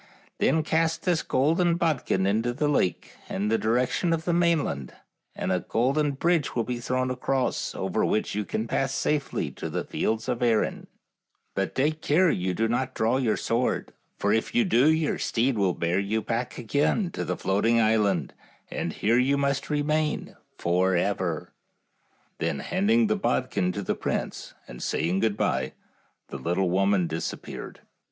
Then cast this golden bod kin into the lake in the direction of the main land, and a golden bridge will be thrown across, over which you can pass safely to the fields of Erin ; but take care and do not draw your sword, for if you do your steed will bear you back again to the Floating Island, and here you must re main forever." Then handing the bodkin to the prince, and saying good by, the little woman dis appeared.